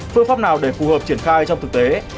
phương pháp nào để phù hợp triển khai trong thực tế